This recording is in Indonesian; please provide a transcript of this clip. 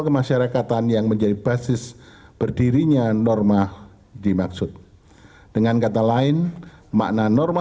kemasyarakatan yang menjadi basis berdirinya norma dimaksud dengan kata lain makna norma